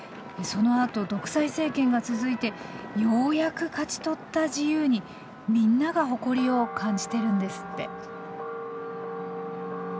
そのあと独裁政権が続いてようやく勝ち取った自由にみんなが誇りを感じてるんですって。